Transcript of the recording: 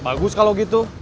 bagus kalau gitu